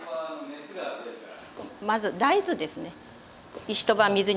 まず大豆ですね。